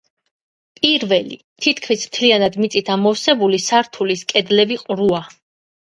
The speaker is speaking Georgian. პირველი, თითქმის მთლიანად მიწით ამოვსებული სართულის კედლები ყრუა.